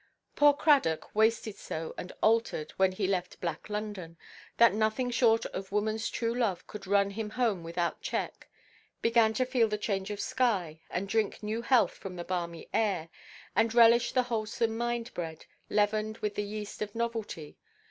Poor Cradock, wasted so and altered (when he left black London) that nothing short of womanʼs true love could run him home without check, began to feel the change of sky, and drink new health from the balmy air, and relish the wholesome mind–bread, leavened with the yeast of novelty.